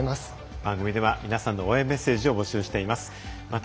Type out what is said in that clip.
番組では皆さんの応援メッセージを募集しています。